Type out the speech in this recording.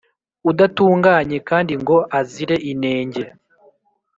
udatunganye kandi ngo azire inenge.